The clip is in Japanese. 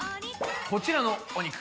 こちらのお肉。